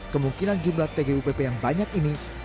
kemungkinan jumlah tgupp yang banyak ini